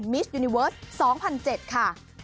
มิสยูนิเวิร์ส๒๗๐๐ค่ะ